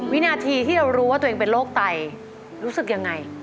วินาทีที่เรารู้ว่าตัวเองเป็นโรคไตรู้สึกยังไง